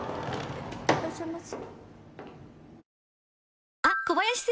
いらっしゃいませ。